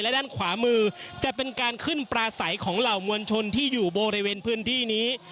และด้านขวามือจะเป็นการขึ้นปลาใสของเหล่ามวลชนที่อยู่บริเวณพื้นที่นี้